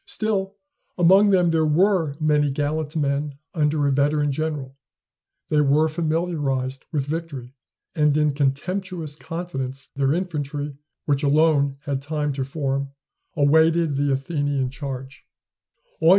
Still, among them there were many gallant men, under a veteran general; they were familiarized with victory, and in contemptuous confidence their infantry, which alone had time to form, awaited the Athenian charge.